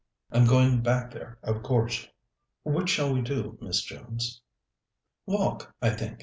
I'm going back there, of course. Which shall we do, Miss Jones?" "Walk, I think.